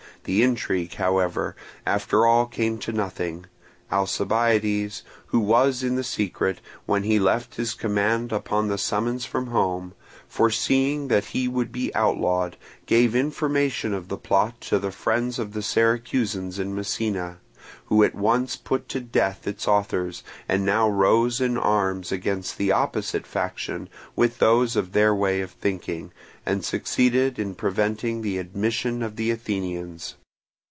The intrigue, however, after all came to nothing: Alcibiades, who was in the secret, when he left his command upon the summons from home, foreseeing that he would be outlawed, gave information of the plot to the friends of the Syracusans in Messina, who had at once put to death its authors, and now rose in arms against the opposite faction with those of their way of thinking, and succeeded in preventing the admission of the Athenians.